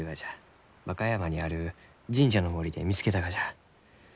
和歌山にある神社の森で見つけたがじゃ。